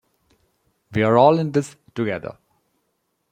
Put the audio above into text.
We're all in this together.